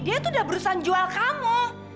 dia tuh udah berusaha jual kamu